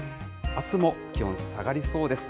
あすも気温下がりそうです。